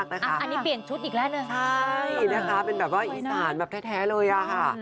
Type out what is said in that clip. ใช่นะคะเป็นแบบว่าอีสานแท้เลยค่ะ